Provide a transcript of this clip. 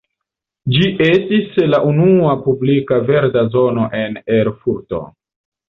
Ĝi estis la unua publika verda zono en Erfurto.